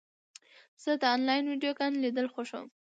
زه د انلاین ویډیوګانو لیدل خوښوم.